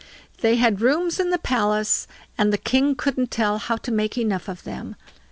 They had rooms in the palace, and the king couldn't tell how to make enough of them.